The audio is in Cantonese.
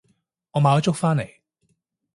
我買咗粥返嚟